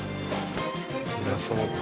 そりゃそうか。